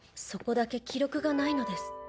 そこだけ記録がないのです。